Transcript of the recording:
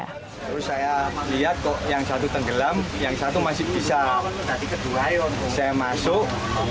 terus saya lihat kok yang satu tenggelam yang satu masih bisa dari kedua saya masuk